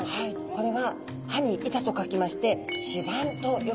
これは歯に板と書きまして歯板と呼ばれるんですね。